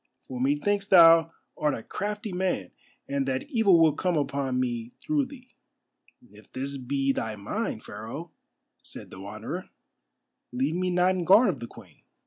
For methinks thou art a crafty man, and that evil will come upon me through thee." "If this be thy mind, Pharaoh," said the Wanderer, "leave me not in guard of the Queen.